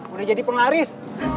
udah jadi penglaris